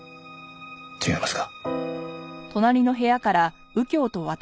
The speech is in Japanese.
違いますか？